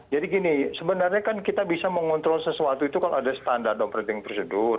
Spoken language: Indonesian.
jadi gini sebenarnya kan kita bisa mengontrol sesuatu itu kalau ada standar operating procedure